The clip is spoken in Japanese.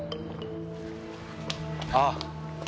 ああ。